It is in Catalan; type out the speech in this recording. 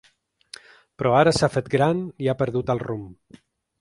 Però ara s’ha fet gran i ha perdut el rumb.